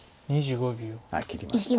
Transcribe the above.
切りました。